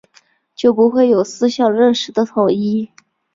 就不会有思想认识的统一